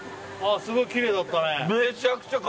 すごいきれいだったね。